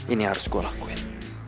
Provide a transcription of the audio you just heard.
ini harus gue lakuin